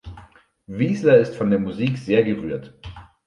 Wiesler ist von der Musik sehr gerührt.